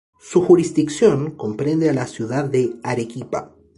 Su jurisdicción comprende a la ciudad de Arequipa.